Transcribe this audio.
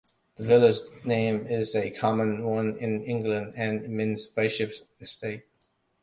The village name is a common one in England, and means "Bishop's Estate".